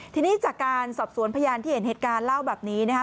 ทีนี้จากการสอบสวนพยานที่เห็นเหตุการณ์เล่าแบบนี้นะคะ